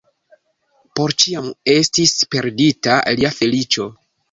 Por ĉiam estis perdita lia feliĉo.